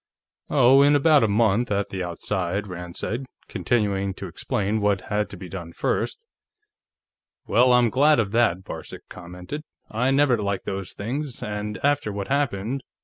"Oh, in about a month, at the outside," Rand said, continuing to explain what had to be done first. "Well, I'm glad of that," Varcek commented. "I never liked those things, and after what happened